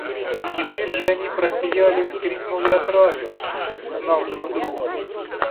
Теперь же они просияли и вскрикнули от радости, узнав друг друга.